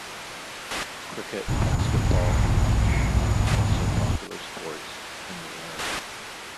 Cricket, basketball and hockey are also popular sports in the area.